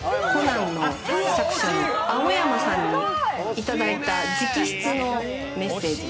これはコナンの作者の青山さんにいただいた直筆のメッセージ。